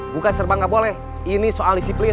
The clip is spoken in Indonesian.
bukan serba gak boleh ini soal disiplin